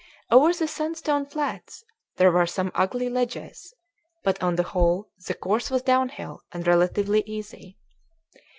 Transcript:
Over the sandstone flats there were some ugly ledges, but on the whole the course was down hill and relatively easy.